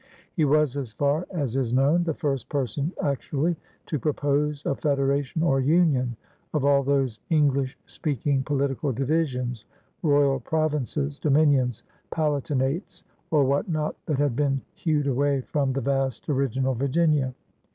818 HONEERS OF THE OLD SOUTH Ee was, as far as is known, the first person actually to propose a federation or union of all those Eng lish speaking political divisions, royal provinces, dominions, palatinates, or what not, that had been hewed away from the vast original Virginia.